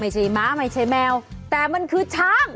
ไม่ใช่ม้าไม่ใช่แมวแต่มันคือช้าง